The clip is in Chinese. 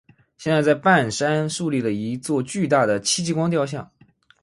现在在半山竖立了一座巨大的戚继光雕像。